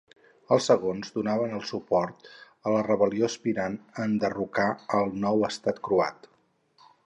Els segons, donaven el suport a la rebel·lió aspirant enderrocar el nou estat croat.